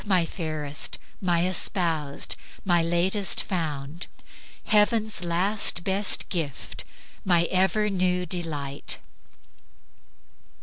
My fairest, my espoused, my latest found, Heaven's last, best gift, my ever new delight.'"